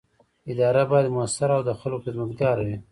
اداره باید مؤثره او د خلکو خدمتګاره وي.